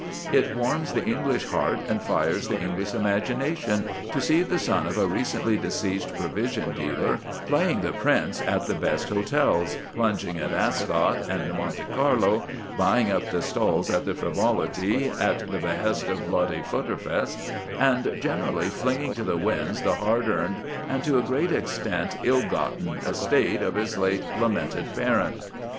It warms the English heart and fires the English imagination to see the son of a recently deceased provision dealer playing the prince at the best hotels, plunging at Ascot and Monte Carlo, buying up the stalls at the Frivolity at the behest of Lottie Flutterfast, and generally flinging to the winds the hard earned and, to a great extent, ill gotten estate of his late lamented parent.